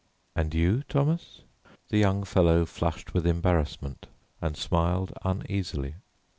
"And you, Thomas?" The young fellow flushed with embarrassment and smiled uneasily.